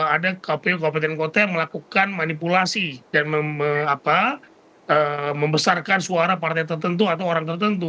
ada kpu kabupaten kota yang melakukan manipulasi dan membesarkan suara partai tertentu atau orang tertentu